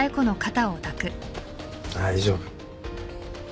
大丈夫。